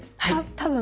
多分。